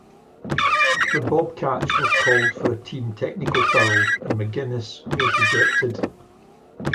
The Bobcats were called for a team technical foul, and McInnis was ejected.